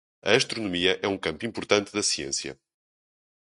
A astronomia é um campo importante da ciência.